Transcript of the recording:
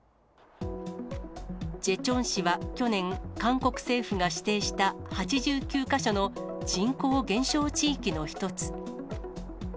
ジェチョン市は、去年、韓国政府が指定した８９か所の人口減少地域の一つ。